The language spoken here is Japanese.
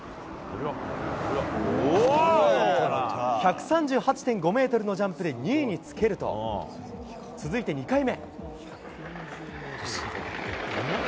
１３８．５ｍのジャンプで２位につけると、続いて２回目。